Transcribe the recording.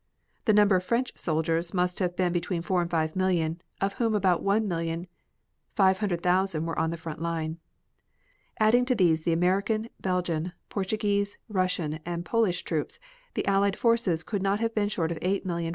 The number of French soldiers must have been between four and five million, of whom about one million five hundred thousand were on the front line. Adding to these the American, Belgian, Portuguese, Russian and Polish troops the Allied forces could not have been short of eight million five hundred thousand men.